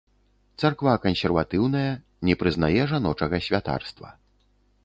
Царква кансерватыўная, не прызнае жаночага святарства.